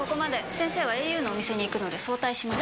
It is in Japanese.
先生はａｕのお店に行くので早退します。